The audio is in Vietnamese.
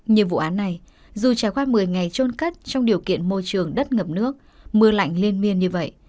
như vụ án này dù trải qua một mươi ngày trôn cất trong điều kiện môi trường đất ngập nước mưa lạnh lên miên như vậy